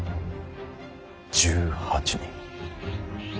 １８人。